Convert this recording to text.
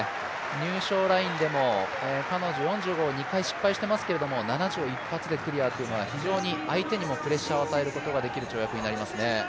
入賞ラインでも彼女、４５を２回失敗してますけど７０を一発でクリアというのは非常に相手にもプレッシャーを与えることができます。